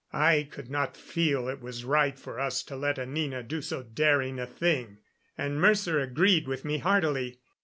I could not feel it was right for us to let Anina do so daring a thing, and Mercer agreed with me heartily.